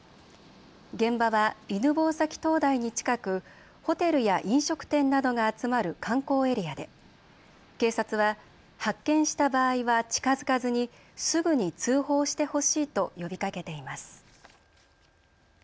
現場は犬吠埼灯台に近くホテルや飲食店などが集まる観光エリアで警察は発見した場合は近づかずにすぐに通報してほしいと呼びかけています。